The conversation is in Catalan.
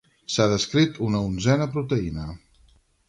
S'ha descrit una onzena proteïna.